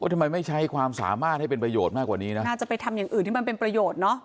ทำไมไม่ใช้ความสามารถให้เป็นประโยชน์มากกว่านี้นะน่าจะไปทำอย่างอื่นที่มันเป็นประโยชน์เนอะ